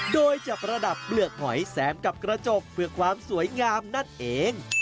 โดยจะประดับเปลือกหอยแซมกับกระจกเพื่อความสวยงามนั่นเอง